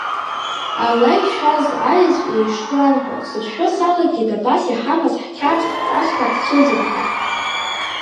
Ала ишәаз, аеҵә еишуан ҳәа, сацәшәо салагеит абас иҳамаз ҳқьабз-ҳҵасқәа ҳцәыӡыр ҳәа.